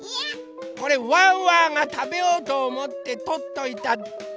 これワンワンがたべようとおもってとっといたおやつでしょ？